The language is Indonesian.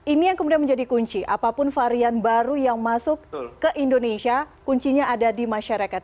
ini yang kemudian menjadi kunci apapun varian baru yang masuk ke indonesia kuncinya ada di masyarakat